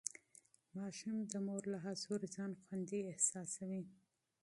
ماشوم د مور له حضور ځان خوندي احساسوي.